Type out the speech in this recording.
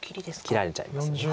切られちゃいます。